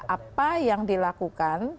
apa yang dilakukan